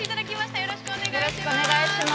よろしくお願いします。